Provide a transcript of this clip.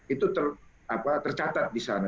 itu tercatat di sana